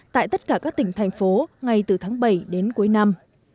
tại tất cả các tỉnh thành phố ngay từ tháng bảy đến cuối năm